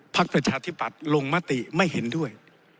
ประชาธิปัตย์ลงมติไม่เห็นด้วย